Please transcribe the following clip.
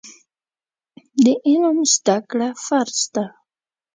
د علم زده کړه فرض ده.